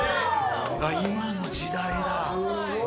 今の時代だ。